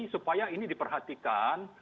supaya ini diperhatikan